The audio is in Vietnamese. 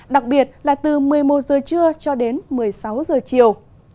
đặc biệt là từ một mươi một giờ trưa cho đến một mươi sáu giờ chiều